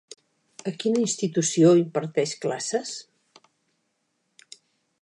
A quina institució imparteix classes?